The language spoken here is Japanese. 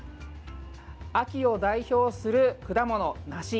秋を代表する果物、梨。